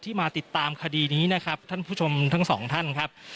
มาติดตามคดีนี้นะครับท่านผู้ชมทั้งสองท่านครับ